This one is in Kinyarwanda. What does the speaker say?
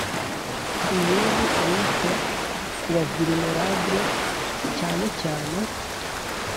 Inyungu Wita Ku Ba Vulnerables Cyane Cyane